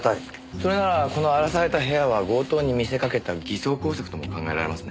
それならこの荒らされた部屋は強盗に見せかけた偽装工作とも考えられますね。